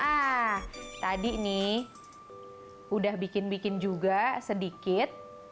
ah tadi nih udah bikin bikin juga sedikit